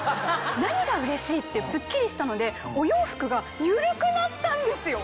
何がうれしいってスッキリしたのでお洋服が緩くなったんですよ！